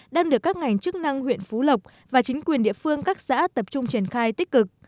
đang được các ngành chức năng huyện phú lộc và chính quyền địa phương các xã tập trung triển khai tích cực